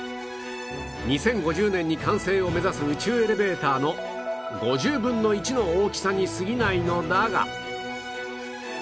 ２０５０年に完成を目指す宇宙エレベーターの５０分の１の大きさにすぎないのだが